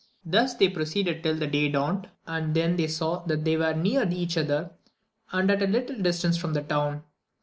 Thus they proceeded till the day dawned, and then they saw that they were near each other, and at little distance from the town.